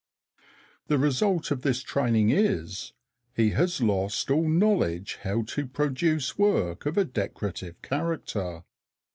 The result of this training is, he has lost all knowledge how to produce work of a decorative character.